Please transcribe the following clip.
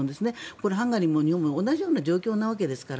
これ、ハンガリーも日本も同じような状況なわけですから。